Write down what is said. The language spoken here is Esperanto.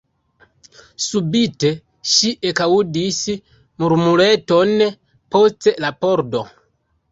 Subite ŝi ekaŭdis murmureton post la pordo.